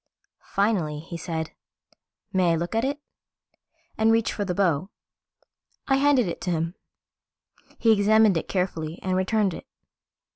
Finally he said, "May I look at it?" and reached for the bow. I handed it to him. He examined it carefully and returned it.